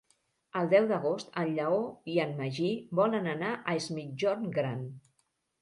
El deu d'agost en Lleó i en Magí volen anar a Es Migjorn Gran.